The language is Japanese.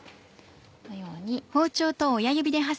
このように。